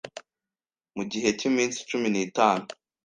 mu gihe cy'iminsi cumi nitanu